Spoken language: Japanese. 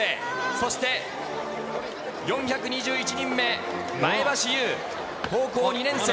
そして４２１人目、前橋ゆう、高校２年生。